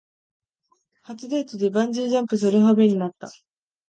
初デートでバンジージャンプするはめになった